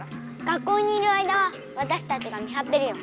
学校にいる間はわたしたちが見はってるよ。